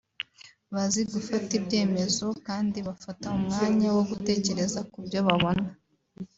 bazi gufata ibyemezo kandi bafata umwanya wo gutekereza kubyo babona